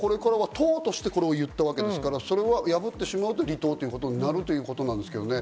党としてこれを言ったわけですから破ってしまうと離党になるということですね。